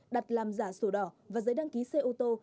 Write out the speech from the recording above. đặt làm giả sổ đỏ và giấy đăng ký coe